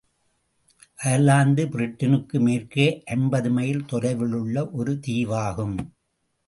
Ireland பிரிட்டனுக்கு மேற்கே ஐம்பது மைல் தொலைவிலுள்ள ஒரு தீவாகும்.